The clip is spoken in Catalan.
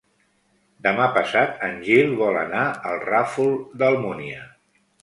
Demà passat en Gil vol anar al Ràfol d'Almúnia.